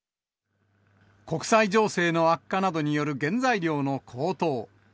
国際情勢の悪化などによる原材料の高騰。